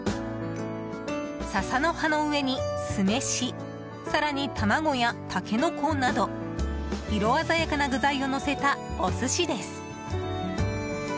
笹の葉の上に酢飯更に卵やタケノコなど色鮮やかな具材をのせたお寿司です。